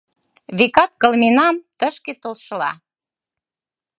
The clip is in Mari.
Векат, кылменам тышке толшыла..